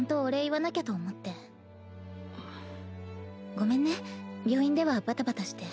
ごめんね病院ではバタバタして。